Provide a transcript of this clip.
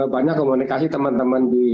banyak komunikasi teman teman di